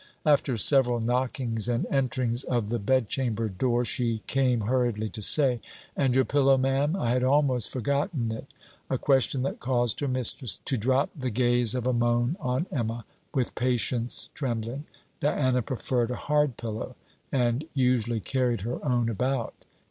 After several knockings and enterings of the bedchamber door, she came hurriedly to say: 'And your pillow, ma'am? I had almost forgotten it!' A question that caused her mistress to drop the gaze of a moan on Emma, with patience trembling. Diana preferred a hard pillow, and usually carried her own about.